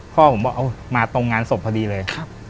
พ่อผมบอกเอามาตรงงานศพพอดีเลย